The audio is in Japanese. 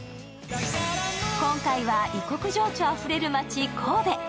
今回は異国情緒溢れる街・神戸。